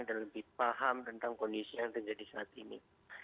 dan lebih paham tentang kondisi yang terjadi saat ini